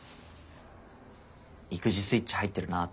育児スイッチ入ってるなって思ったんです。